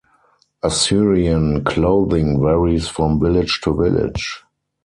Assyrian clothing varies from village to village.